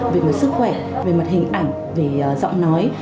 về mặt sức khỏe về mặt hình ảnh về giọng nói